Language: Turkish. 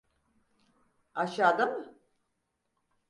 Aşağıda mı?